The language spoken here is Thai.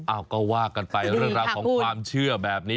อ้าวก็ว่ากันไปเรื่องราวของความเชื่อแบบนี้